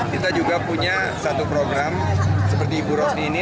kita juga punya satu program seperti ibu rosni ini